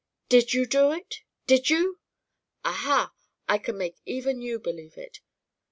"Did you do it? Did you?" "Aha! I can make even you believe it.